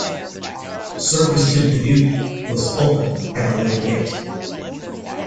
Service to Dubuque was to open at a later date.